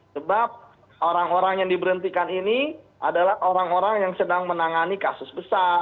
sebab orang orang yang diberhentikan ini adalah orang orang yang sedang menangani kasus besar